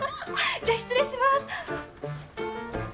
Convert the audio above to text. じゃあ失礼します。